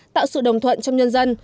tạo sự đồng thuận trong nhân dân